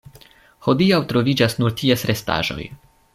Hodiaŭ troviĝas nur ties restaĵoj.